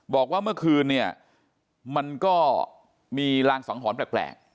บอกว่าเมื่อคืนเนี่ยมันก็มีรางสังหรณ์แปลก